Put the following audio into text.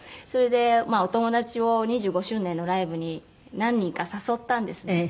それでお友達を２５周年のライブに何人か誘ったんですね。